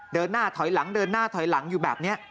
เดินหน้าถอยหลังเดินหน้าถอยหลังอยู่แบบนี้